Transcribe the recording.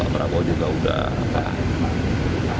pak prabowo juga udah pak